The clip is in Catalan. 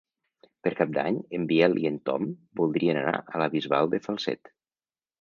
Per Cap d'Any en Biel i en Tom voldrien anar a la Bisbal de Falset.